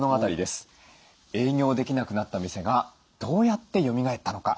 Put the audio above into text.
営業できなくなった店がどうやってよみがえったのか。